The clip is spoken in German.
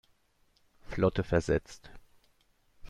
Flotte versetzt.